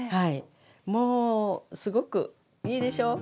もうすごくいいでしょう。